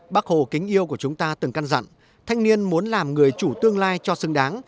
bác hồ kính yêu của chúng ta từng căn dặn thanh niên muốn làm người chủ tương lai cho xứng đáng